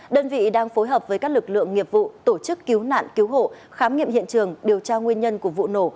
đơn vị đang phối hợp với các lực lượng nghiệp vụ tổ chức cứu nạn cứu hộ khám nghiệm hiện trường điều tra nguyên nhân của vụ nổ